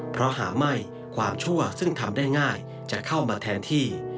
เพราะหาไม่ความชั่วซึ่งทำได้ง่ายจะเข้ามาแทนที่